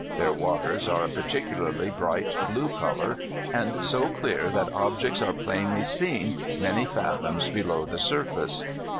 Their waters are a particularly bright blue color, and so clear that objects are plainly seen many fathoms below the surface.